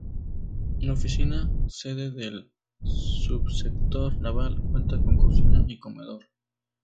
La oficina sede del subsector naval cuenta con cocina y comedor.